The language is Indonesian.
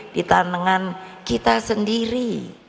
di tangan kita sendiri